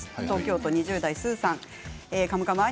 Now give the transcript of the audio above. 東京都２０代の方。